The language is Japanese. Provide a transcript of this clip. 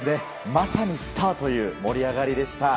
まさにスターという盛り上がりでした。